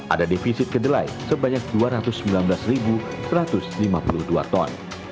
ada defisit kedelai sebanyak dua ratus sembilan belas satu ratus lima puluh dua ton